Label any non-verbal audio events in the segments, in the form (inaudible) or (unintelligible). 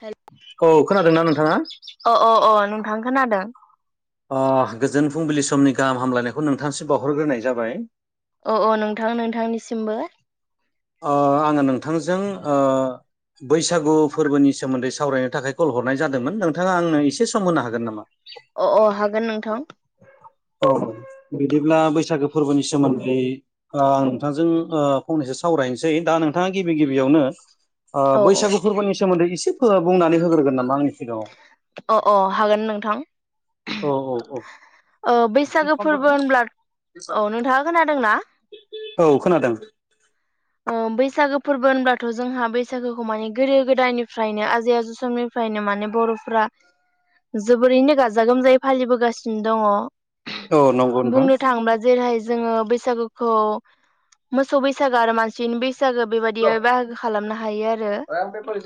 हेल औ खोनादोंना नोंथाङा अ अ अ नोंथां खोनादों। अ गोजोन फुंबिलि समनि गाहाम हामलायनायखौ नोंथांसिम बावहरग्रोनाय जाबाय। अ अ नोंथां नोंथांनिसिमबो। ओ आङो नोंथांजों ओ बैसागु फोर्बोनि सोमोन्दै सावरायनो थाखाय कल हरनाय जादोंमोन नोंथाङा आंनो एसे सम होनो हागोन नामा? अ अ हागोन नोंथां। औ (unintelligible) बिदिब्ला बैसागो फोर्बोनि सोमोन्दै आं नोंथांजों फंनैसो सावरायनोसै दा नोंथाङा गिबि गिबियावनो ओ औ औ बैसागु फोरबोनि सोमोन्दै एसे (unintelligible) बुंनानै होग्रोगोन नामा आंनो? अ अ हागोन नोंथां। औ औ औ। ओ बैसागो फोर्बो होनब्ला औ नोंथाङा खोनादोंना? औ खोनादों। ओ बैसागो फोरबो होनब्लाथ' जोंहा बैसागोखौ माने गोदो-गोदायनिफ्रायनो आजै-आजैनिफ्राय फ्रायनो माने बर'फ्रा जोबोरैनो गाजा गोमजायै फालिबोगासिनो औ नंगौ दङ नोंथां बुंनो थाङोबा जेरैहाय जोङो बैसागुखौ मोसौ बैसागो आरो मानसिनि बै बैसागो बेबायदि बाहागो खालामनो हायो आ रो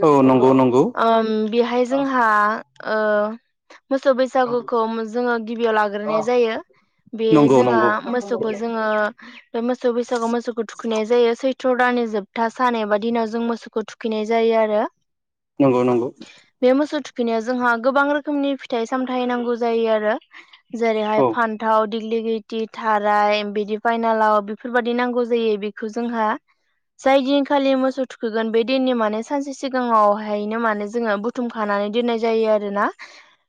औ नंगौ नंगौ ओम बेहाय जोंहा ओ मोसौ बैसागुखौ जोङो गिबियाव लाग्रोनाय जायो बे नंगौ जोंहा नंगौ मोसौखौ जोङो बे मोसौ बैसागुआव मोसौखौ थुखैनाय जायो सै थ्र' दाननि जोबथा सान एबा दिनाव जों मोसौखौ थुखैनाय जायो आरो नंगौ नंगौ बिनो जोंहा गोबां रोखोमनि फिथाइ सामथायाइ नांगौ जायो आरो। जेरैहाय औ फान्थाव दिग्लि थि थाराय बिदि फाइनालाव बेफोरबायाददि नांगौ जायो बेखौ जोंहा (inaudible) जाय दिनखालि मोसौ थुखोगोन बे दिननि माने सानसे सिगाङावहायनो माने जोङो बुथुमखानानै दोन्नाय जायो आरोना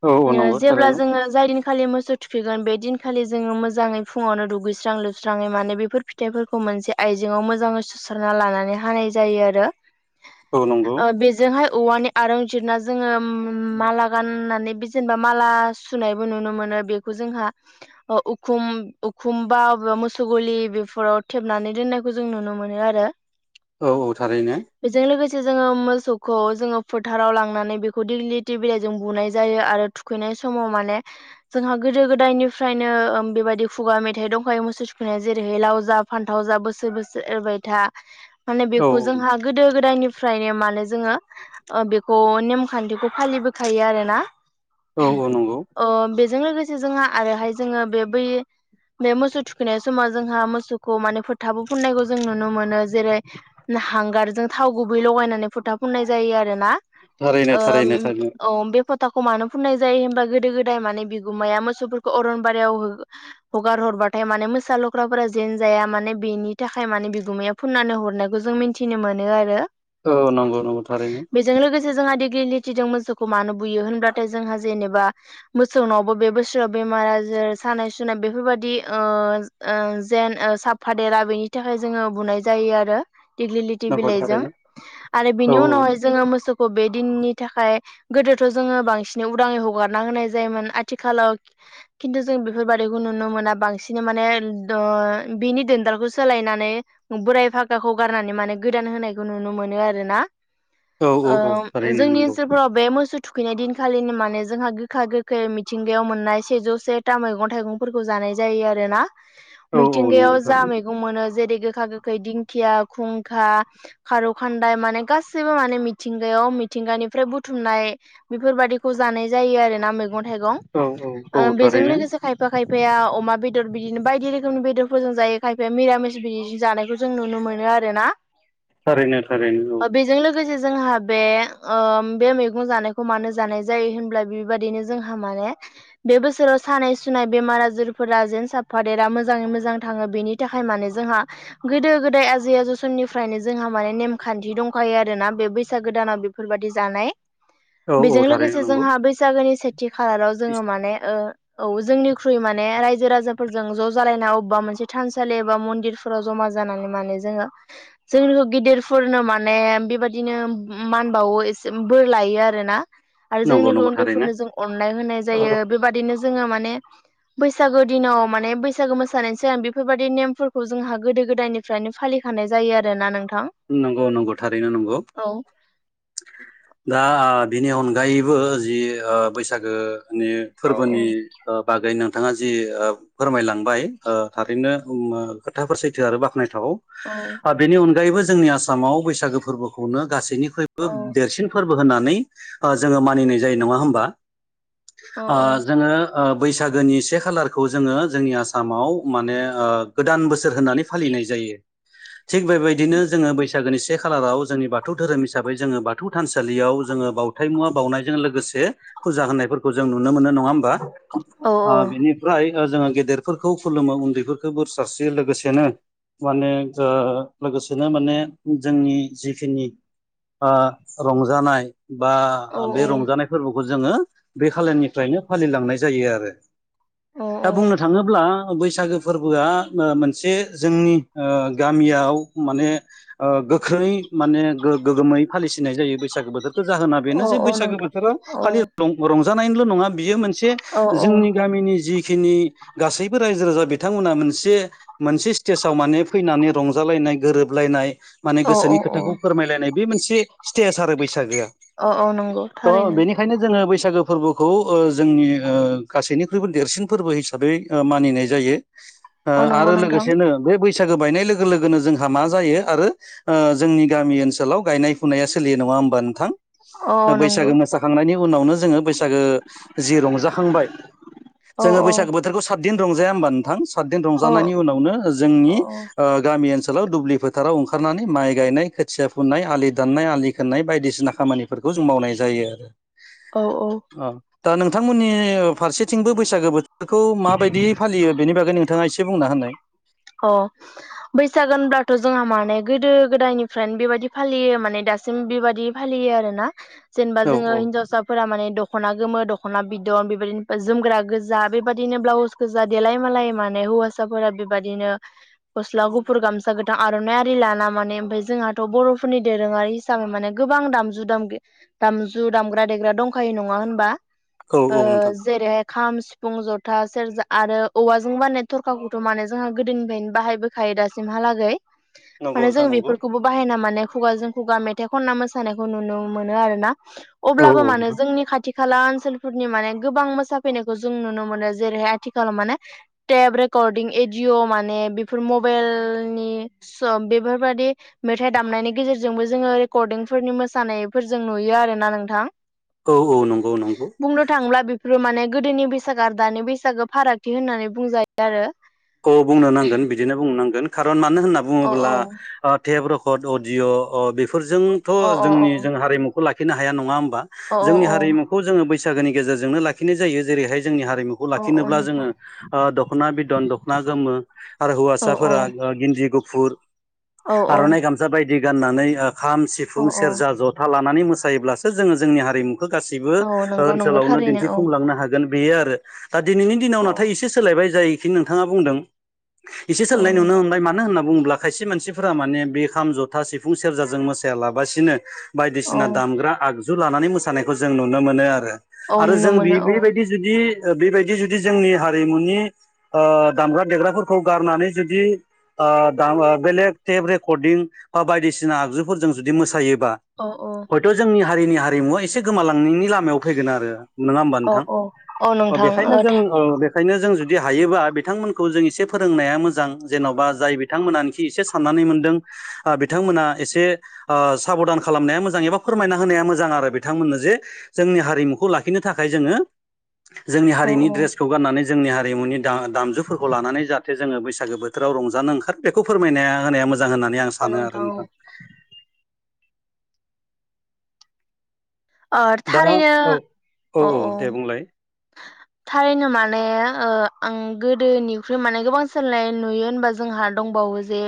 औ औ नंगौ जेब्ला थारैनो जोंङो जाय खालि मोसौ थुखैगोन बे दिनखालि जोङो मोजाङै फुङावनो दुगैस्रां लोबस्राङै माने बेफोर फिथाइफोरखौ मोनसे आइजाव मोजांङै स स्राना लानानै हानाय जायो आरो औ नंगौ ओ बेजोंहाय औवानि आरंजिरना जोङो माला गाननानै बि जेनेबा माला सुनायबो नुनो मोनो बेखौ जोंहा उखुम उखुमबा बा मोसौ गलि बेफोराव थेबनानै दोननायखौ जों नुनो मोनो आरो औ औ थारैनो से जोङो मोसौखौ जोङो फोथाराव लांनानै बेखौ दिगलिथि बिलाइजों बुनाय जायो आरो थुखैनाय समाव माने जोंहा गोदो गोदायनिफ्रायनो बेबायदि खुगा मेथाइ दंखायो मोसौ थुखुनाय जे जेरैहै लाव जा फानथाव जा बोसोर बोसोर एरबाय था माने औ बेखौ जोंहा गोदो-गोदायनि फ्रायनो मानो जोङो बेखौ नेमखान्थिखौ फालिबोखायो आरोना औ औ नंगौ जों लोगोसे जोंहा आरोहाय जोङो बे बै बे मोसौ थुखैनाय समाव जोंहा मोसौखौ माने फोथाबो फुननायखौ जों नुनो मोनो जेरै हांगारजों थाव गुबै लगाय नानै फोथा फोननाय जायो आरोना थारैनो ओ थारैनो थारैनो औ बे फो थाखौ मानो फुननाय जायो होनबा गोदो-गोदाय माने बिगुमाया मोसौफोरखौ अरनबारियाव हगार-हर बाथाय माने मोसा लख्राफोरा जेन जाया माने बेनि थाखाय माने बिगुमाया फुननानै हरनायखौ जों मिथिनो मोनो आरो औ नंगौ नंगौ थारैनो बेजों लोगोसे जोंहा दि गिलिटिजों मोसोखौ मानो बुयो होनब्लााथाय जोंहा जेनेबा मोसौ नआवबो बे बोसोराव बेमार आजार सानाय सुनाय बेफोरबायदि ओ ओ जेन साफादेरा बेनि थाखाय जोङो बुनाय जा जायो आरो दिग्लिलिथि नंगौ बिलाइजों थारैनो आरो औ बिनि उनावहाय जोङो मोसौखौ बे दिननि थाखाय गोदोथ' जोङो बांसिनै उदाङै हगारना होनाय जायोमोन आथिखालाव खिन्थु जों बेफोरबादिखौ नुनो मोना बांसिन माने ओ बिनि दोनदालखौ सोलायनानै बोराय फागाखौ गारनानै माने गोदान होनायखौ नुनो मोनो आरो ना। औ ओ औ औ थारैनो जोंनि नंगौ ओनसोलफोराव बे मोसौ थुखैनाय दिनखालिनो माने जोंहा गोखा गोखै मिथिंगायाव मोननाय सेजौ सेथा मैगं थाइगंफोरखौ जानाय नाय जायो आरो ना औ औ मिथिंगायाव नंगौ जा थारैनो मैगं मोनो जेरै गोखा गोख खै दिंखिया, खुंखा, खारौ खान्दाय माने गासैबो माने मिथिंगायाव मिथिंगानि निफ्राय बुथुमनाय बेफोरबायाददिखौ जानाय जायो आरो ना मैगं थायगं औ ओ औ औ बेजों थारैनो लोगोसे खायफा खायफा फाया अमा बेदर बिदिनो बायदि रोखोमनि बेदरफोरजों जायो खायफाया मिरामिस बिदि जानायखौ जों नुनो मोनो आरोना थारैनो -थारैनो औ बेजों लोगोसे जोंहा बे बे मैगं जानायखौ मानो जानाय जायो होनब्ला बेबायदिनो जोंहा माने बे बोसोराव सानाय -सुनाय, बेमार- आजारफोरा जेन साफादेरा मोजाङै मोजां थाङो बेनि थाखाय माने जोंहा गोदो- गोदाय आजै -आजौ समनिफ्रायनो जोंहा माने नेमखान्थि दंखायो आरोना बे बैसागोदानाव बेफोरबायदि जानाय औ औ बेजों थारैनो लोगोसे नंगौ जोंहा बैसागोनि सेथि खालाराव जोङो माने औ जोंनिख्रुइ माने रायजो -राजाफोरजों ज' जालायना अबेबा मोनसे थानसालि एबा मन्दिरफोराव जमा जानानै मान जोङो जों गेदिरफोरनो माने बेबायदिनो मानबावो बोर लायो आरोना आरो नंगौ जोंनि नंगौ थारैनो उन्दैफोरनो जों अननाय होनाय जायो बेबाददिनो जों जोङो माने बैसागो दिनाव माने बैसागो मोसानायनि सिगां बेफोरबायदि नेमफोरखौ जों हागोन गोदो- गोदायनिफ्रायनो फालिखानाय जायो आरोना नोंथां नंगौ नंगौ थारैनो नंगौ औ दा बिनि अनगायैबो जि बैसागोनि औ फोरबोनि बागै नोंथाङा नोंथाङा जि फोरमायलांबाय थारैनो खोथाफोर सैथो आरो बाख्नायथाव औ बेनि अनगायैबो जोंनि आसामाव बैसागो फोरबोखौनो गासैनि बो देरसिन फोरबो होननानै जोङो मानिनाय जायो नङा होमबा औ जोङो बैसागोनि से खालारखौ जोङो जोंनि आसामाव माने गोदान बोसोर होननानै फालिनाय जायो थिग बेबायदिनो जोङो बैसागोनि से खालाराव जोंनि बाथौ धोरोम हिसाबै जोङो बाथौ थानसालियाव जोङो बावथाय मुवा बावनायजों लोगोसे फुजा होननायफोरखौ जों नुनो मोनो नङा होमबा औ बेनिफ्राय जोङो गेदेरफोरखौ खुलुमो उन्दैफोरखौ बोर सारस लोगोसेनो माने लोगोसे बिनो माने जोंनि जिखिनि रंजानाय बा बे रंजानाय फोरबोखौ जोङो बे खालनिफ्रायनो फालिलांनाय जायो आरो औ दा बुंनो थाङोब्ला बैसागो फोरबोआ मोनसे जोंनि गामियाव माने गोख्रै माने गोगोमै फालिसिनाय जायो बैसागो बोथोर जाहोना औ बेनो जे औ बैसागो नोंथां बोथोरा औ खालि रंजानायनिल' नङा बियो मोनसे औ औ जोंनि गामिनि जि नि गासैबो रायजो राजा बिथांमोना मोनसे मोनसे स्टेजाव माने फैनानै रंजालायनाय गोरोबलायनाय माने गोसोनि औ औ खोथाखौ फोरमायलायनाय बे मोनसे स्टेज आरो बैसागोआ औ औ नंगौ थ' थारैनो बेनिखायनो जोङो बैसागो बैसागो फोरबोखौ जोंनि गासैनिख्रुइबो देरसिन फोरबो हिसाबै मानिनाय जायो औ नंगौ आरो नोंथां लोगोसेनो बे बैसागो बायनाय लोगो लोगोनो जों हा मा जायो आरो जोंनि गामि ओनसोलाव गायनाय- फुनाया सोलियो नङा होमबा नोंथां? औ नंगौ बैसागो मोसाखांनायनि उनावनो जोङो बैसागो जि रंजाखांबाय औ जोङो बैसागो बोथोरखौ साथ सातदिन रंजाया होनबा नोंथां? सातदिन औ रंजानायनि उनावनो औ जोंनि गामि ओनसोलाव दुब्लि फोथाराव ओंखारनानै माइ गायनाय, खोथिया फुनाय, आलि दाननाय, आलि खोननाय बायदिसिना खामानिफोरखौ खौ जों मावनाय जायो। औ - औ अ दा नोंथांमोननि फारसेथिंबो बैसागो बोथोरखौ माबायदि फालियो बेनि बागै नोंथाङा एसे बुंना होननाय अ बैसागो होनब्लाथ' जोंहा माने गोदो - गोदायनिफ्रायनो बेबायादि फालियो माने दा सिम बेबायादि फालियो आरो ना जेनेबा औ जोङो औ हिनजावसाफोरा माने दख'ना गोमो द दख'ना बिदन, बेबायदिनो जोमग्रा गोजा बेबायाददिनो ब्लाउस गोजा देलाय -मालाय माने हौवासाफोरा बादिनो गस्ला गुफुर, गामसा गोथां, आर'नाइ लाना माने ओमफ्राय जोंहाथ' बर'फोरनि दोरों आरि हिसाबै माने गोबां दामजु दाम दामजु दामग्रा -देग्रा दंखायो नङा होनबा औ औ नोंथां जेरैय खाम फुं जथा सेरजा आरो औवाजों बानायनाय थरखाखौथ' माने जों गोदोनिफ्रायनो बायायो दासिमहालाै नंगौ माने जों नोंथां नंगौ बेफोरखौबो बाहायना मान खुगा जों खुगा मेथाइ खनना मोसानायखौ नुनो मोनो आरोना औ अब्लाबो औ मानो नोंथां जोंनि खाथि खाला ओनसोलफोरनि माने गोबां मोसाफैनायखौ जों नुनो मोनो जेरैहाय आथिखालाव माने टेप रेकर्डिं एडिअ' माने बेफोर मबाइलनि स बेफोरबाददि मेथाइ दामनायनि गेजेरजों जोंबो जोङो रेकर्डिं फोरनि मोसानायफोरजों नुयो आरो ना नोंथां औ औ नंगौ नंगौ बुंनो थाङोब्ला बेफोरो माने गोदोनि बैसागो आरो दानि बैसागो फारागथि होनानै बुंजायो आरो औ बुंनो नांगोन बिदिनो बुंनो नांगोन खारन मानो होनना अ बुङोब्ला औ टेब रेकर्ड अदिअ फोरजोंथ' अ अ अ जोंनि जों हारिमुखौ लाखिनो हाया नङा होमबा अ जोंनि हारिमुखौ जोङो बै बैसागोनि गेजेरजोंनो लाखिनाय जायो जेरैहाय जोंनि हारिमुखौ अ अ लाखिनोब्ला जोङो नोंथां दख'ना बिदन ना गोमो आरो औ औ हौवासाफोरा गिन्जि गुफुर औ आर'नाइ गामसा बायदि गाननानै खाम, औ सिफुं, सेरजा, औ जथा लानानै मोसायोब्लासो जोङो जोंनि हारिमुखौ बे गासैबो औ नंगौ नंगौ ओनसोलावनो थारैनो औ दिन्थिफुंलांनो हागोन बेयो आरो दा दिनैनि दिनाव औ नाथाय एसे सोलायबाय जायखि नोंथाङा बुंदों एसे औ सोलायनाय नुनो नोंथां मोनबाय मानो होन्ना बुंङो ब्ला खायसे मानसिफोरा माने बे खाम जथा सिफुं सेरजाजों मोसायालाबासिनो औ बायदिसिना दामग्रा आगजु लानानै मोसानायखौ जों नुनो मोनो आरो औ आरो नुनो जों मोनो बे औ बेबायदि जुदि बेबायदि जुदि जोंनि हारिमुनि दामग्रा देग्राफोरखौ गारनानै जुदि बेलेग टेप रेकर्डिं बा बायदिसिना आगजुफोरजों जुदि मोसायो बा औ औ हयथ' जोंनि हारिनि हारिमुवा एसे गोमालांनायनि लामायाव फैगोन आरो नङा होमबा औ नोंथां औ औ नोंथां बेखायनो औ जों बेखायनो जों जुदि हायोबा बिथांमोनखौ जों एसे फोरोंनाया मोजां जेन'बा जाय बिथांमोनानोखि एसे साननानै मोनदों बिथांमोना एसे साबधान खालामनाया मोजां एबा फोरमायना होनाया मोजां आरो बिथांमोननो जे जोंनि हारिमुखौ लाखिनो थाखाय जोङो जोंनि हारिनि औ ड्रेसखौ गाननानै जोंनि हारिमुनि दामजुफोरखौ लानानै जाहाथे जोङो बैसाग बैसागो बोथोराव रंजानो ओंखारो बेखौ फोरमायनाया होनाया मोजां होननानै आं सानो आरो नोंथां औ दा थारैनो औ औ औ दे बुंलाय थारैनो माने आं गोदोनिख्रुइ माने गोबां सोलाय नुयो होनबा जोंहा दंबावो वो जे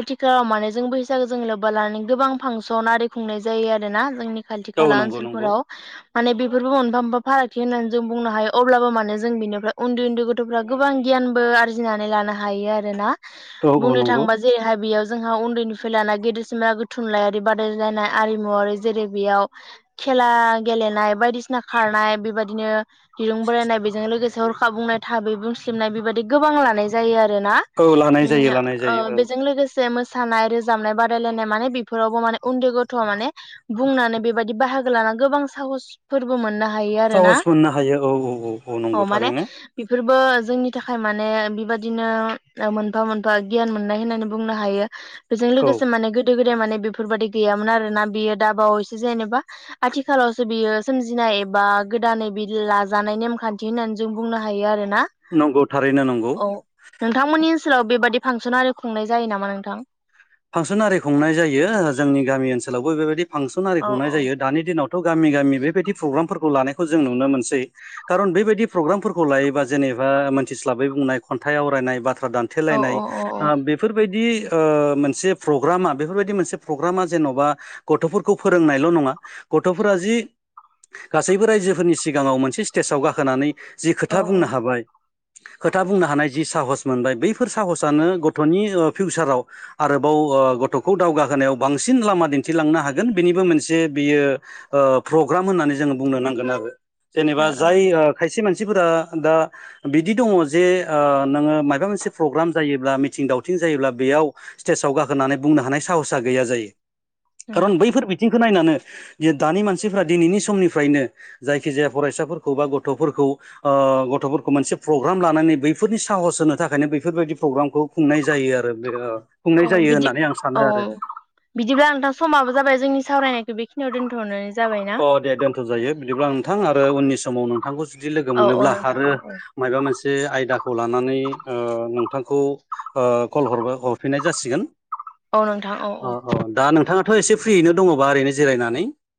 आथिखालाव माने जों बैसागु जों लोब्बा लानानै गोबां फांसन आरि खुंनाय जायो आरोोना जोंनि खाथि औ खाला नंगौ नंगौ ओनसोलफोराव माने बेफोरबो मोनफा मोनफा फारागथि होननानै जों बुंनो हायो अब्लाबो मानो जों बिनिफ्राय उन्दै उन्दै गथ'फ्रा गोबां गियानबो आरजिनानै लानो हायो आरोना औ औ बुंनो नंगौ थांबा जेरैहाय बेयाव जोंहा उन्दैनिफ्राय लानाय गेदेरसिमहालागै थुनलायारि बादायलायनाय आरिमुवारि जेरै बेयाव खेला गेलेनाय बायदिसिना खारनाय बेबायदिनो दिरुं बोलायनाय बेजों लोगोसे हरखाब बुंनाय थाबै बुंस्लिबनाय बेबायदि गोबां लानाय जायो आरो आरो ना औ लानाय ओ जायो लानाय जायो ओम औ बेजों लोगोसे बे मोसानाय रोजाबनाय बादायलायनाय माने बेफोरावबो माने उन्दै गथ'आ माने बुंनानै बेबायदि बाहाय बाहागो लाना गोबां साहसफोरबो मोननो हायो आरोना। साहस मोननो हायो औ औ औ औ नंगौ थारैनो। बेफोरबो जोंनि थाखाय माने बेबादिनो मोनफा मोनफा गियान मोननाय होननानै बुंनो हायो। बेजों औ लोगोसे माने गोदो गोदाय माने बेफोरबायदि गैयामोन आरोना बियो दाबावैसो जेनेबा आथिखालावसो बियो सोमजिनाय बा गोदानै बे लाजानाय नेमखान्थि होननानै जों बुंनो हायो आरोना। ना। नंगौ थारैनो नंगौ औ नोंथांमोननि ओनसोलाव बेबादि फांसन आरो खुंनाय जायो नामा नोंथां? फांसन आरि खुंनाय जायो जोंनि गामि ओनसोलावबो बेबायदि फांसन आरि औ खुंनाय औ जायो दानि दिनावथ' थ' गामि गामि बेबायदि प्रग्रामफोरखौ लानायखौ जों नुनो मोनसै खारन बेबायदि प्रग्रामफोरखौ लायोबा जेनेबा एबा मोनथिस्लाबै बुंनाय खन्थाइ आवरायनाय बाथ्रा औ दानथेलायनाय उम ओ बेफोरबायदि ओ मोन मोनसे प्रग्रामा बेफोरबायदि मोनसे प्रग्रामा जेन'बा गथ'फोरखौ फोरोंनायल' नङा गथ'फोरा जि जि गासैबो रायजोफोरनि सिगाङाव मोनसे स्टेजाव गाखोनानै जि औ खोथा बुंनो ओ हाबाय खोथा बुंनो हानाय जि साहस मोनबाय बैफोर साहसानो गथ'नि फिउचाराव आरोबाव ओ गथ'खौ दावगाहोनायाव बांसिन लामा दिन्थिलांनो हागोन बेनिबो मोनसे बियो ओ प्रग्राम होननानै जोङो बुंनो नांगोन आरो जेनेबा जाय खायसे मानसि सिफोरा दा बिदि दङ जे ओ नोङो माबा मोनसे प्रग्राम जायोब्ला मिथिं दावथिं जायोब्ला बेयाव स्तेजआव गाखोनानै बुंनो हानाय साहसआ गैया जायो। ओ खारन बैफोर बिथिं खौ नायनानै जे दानि मानसिफ्रा दिनैनि समनिफ्रायनो जायखिजाया फरायसाफोरखौ बा गथ'फोरखौ ओ गथ'फोरखौ मोनसे प्रग्राम लानानै बैफोरनि साहस होनो थाखायनो बैफोरबायदि प्रग्रामखौ खुंनाय जायो जायो आरो बे खुंनाय औ बिदि होननानै आं सानो औ आरो बिदिब्ला नोंथां समाबो जाबाय जोंनि सावरायनायखौ बेखियाव दोन्थ'नो अ दे दोनथ'जायो बिदिब्ला नोंथां आरो उननि समाव नोंथां नोंथांखौ जुदि लोगो औ औ मोनोब्ला नोंथां आरो औ माबा मोनसे आयदाखौ लानानै ओ नों थांखौ ओ कल हर हरफिननाय जासिगोन। अ औ दा नोंथांङाथ' एसे फ्रियैनो दङबा ओरैनो जिरायनानै?